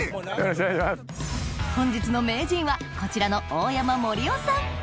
本日の名人はこちらの大山壮郎さん